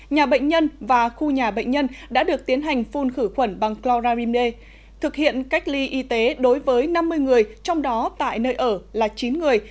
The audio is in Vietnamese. nhà bệnh nhân và khu nhà bệnh nhân đã được tiến hành phun khử khuẩn bằng chloramine thực hiện cách ly y tế đối với năm mươi người trong đó tại nơi ở là chín người